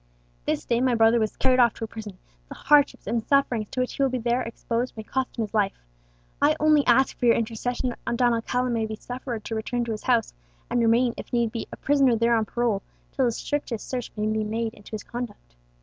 "This day my brother was carried off to a prison; the hardships and sufferings to which he will there be exposed may cost him his life. I only ask for your intercession that Don Alcala may be suffered to return to his house, and remain, if need be, a prisoner there on parole, till the strictest search be made into his conduct.